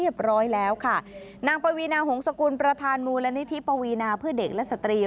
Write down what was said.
ประวีนาหงษกุลประธานมูลนิธิประวีนาเพื่อเด็กและสตรี